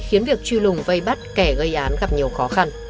khiến việc truy lùng vây bắt kẻ gây án gặp người